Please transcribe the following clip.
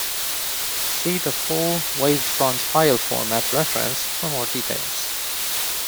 See the full wavefront file format reference for more details.